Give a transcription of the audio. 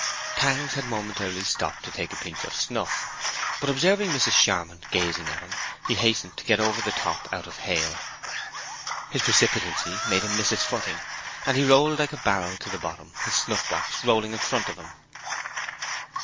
Tangs had momentarily stopped to take a pinch of snuff; but observing Mrs. Charmond gazing at him, he hastened to get over the top out of hail. His precipitancy made him miss his footing, and he rolled like a barrel to the bottom, his snuffbox rolling in front of him.